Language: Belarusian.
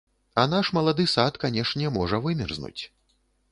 А наш малады сад, канешне, можа вымерзнуць.